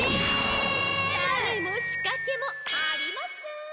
タネもしかけもありません！